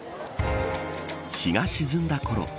ひが沈んだころ